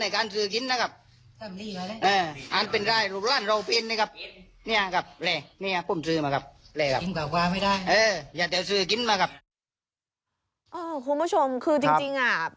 คุณผู้ชมคือจริงอ่ะ